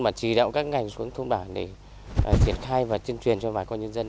mà chỉ đạo các ngành xuống thôn bản để triển khai và tiên truyền cho bà con nhân dân